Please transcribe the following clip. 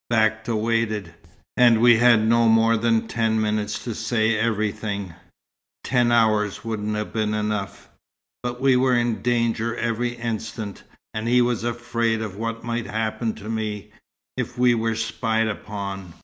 Bakta waited and we had no more than ten minutes to say everything. Ten hours wouldn't have been enough! but we were in danger every instant, and he was afraid of what might happen to me, if we were spied upon.